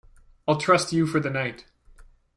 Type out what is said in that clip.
I’ll trust you for the night.